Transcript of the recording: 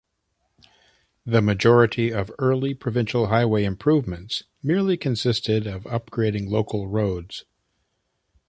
The majority of early provincial highway improvements merely consisted of upgrading local roads.